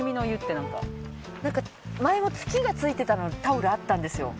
なんか前も月がついてたタオルあったんですよ。